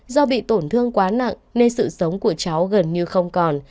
do bị tổn thương quá nặng nên sự sống của cháu gần như không còn